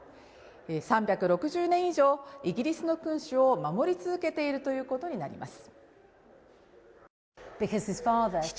３６０年以上、イギリスの君主を守り続けているということになります。